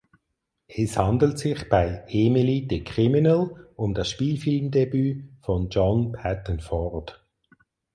Es handelt sich bei "Emily the Criminal" um das Spielfilmdebüt von John Patton Ford.